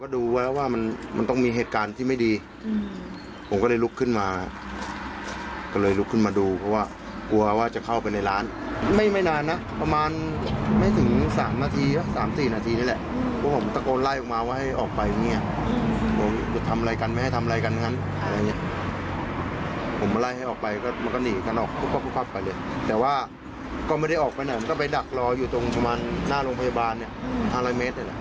ดูแล้วว่ามันมันต้องมีเหตุการณ์ที่ไม่ดีผมก็เลยลุกขึ้นมาก็เลยลุกขึ้นมาดูเพราะว่ากลัวว่าจะเข้าไปในร้านไม่ไม่นานนะประมาณไม่ถึงสามนาทีสามสี่นาทีนี่แหละผมตะโกนไล่ออกมาว่าให้ออกไปเนี่ยทำอะไรกันไม่ให้ทำอะไรกันกันผมไล่ให้ออกไปก็มันก็หนีกันออกไปเลยแต่ว่าก็ไม่ได้ออกไปหน่อยก็ไปดักรออยู่ตรงสมานหน้าโรงพย